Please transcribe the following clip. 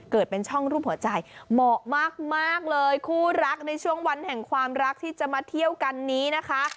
เป็นช่องรูปหัวใจเหมาะมากเลยคู่รักในช่วงวันแห่งความรักที่จะมาเที่ยวกันนี้นะคะ